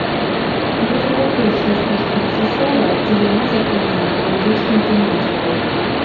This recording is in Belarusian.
Гэта не першая стужка рэжысёра, дзе яна закранае палітычную тэматыку.